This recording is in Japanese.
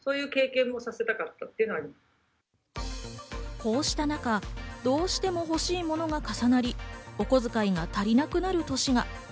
こうした中、どうしても欲しい物が重なり、お小遣いが足りなくなる年が。